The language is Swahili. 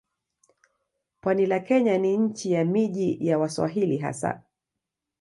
Pwani la Kenya ni nchi ya miji ya Waswahili hasa.